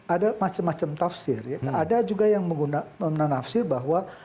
ada macam macam tafsir ada juga yang menafsir bahwa